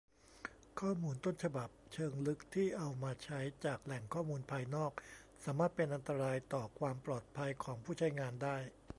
ข้อมูลต้นฉบับเชิงลึกที่เอามาใช้จากแหล่งข้อมูลภายนอก สามารถเป็นอันตรายต่อความปลอดภัยของผู้ใช้งานได้